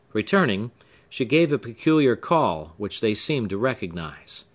Returning, she gave a peculiar call, which they seemed to recognize.